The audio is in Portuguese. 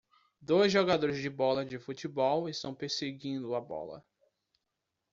Dois jogadores de bola de futebol estão perseguindo a bola.